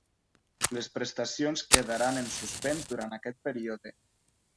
Les prestacions quedaran en suspens durant aquest període.